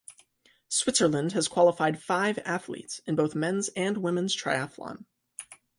Switzerland has qualified five athletes in both men's and women's triathlon.